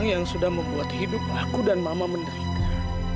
yang sudah membuat hidup aku dan mama menderita